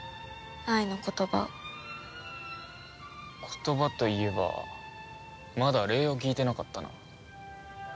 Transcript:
言葉といえばまだ礼を聞いてなかったな。